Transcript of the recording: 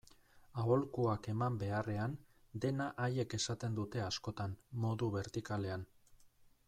Aholkuak eman beharrean, dena haiek esaten dute askotan, modu bertikalean.